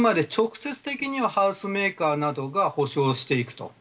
あくまで直接的にはハウスメーカーなどが補償していく。